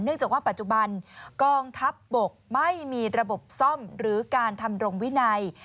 จากว่าปัจจุบันกองทัพบกไม่มีระบบซ่อมหรือการทำรงวินัย